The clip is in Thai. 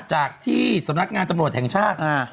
จากที่สำนักงานตำรวจแห่งชาติ